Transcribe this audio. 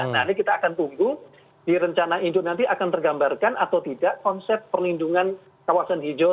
nah ini kita akan tunggu di rencana induk nanti akan tergambarkan atau tidak konsep perlindungan kawasan hijau